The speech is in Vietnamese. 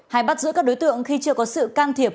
hay bắt giữ các đối tượng khi chưa có sự can thiệp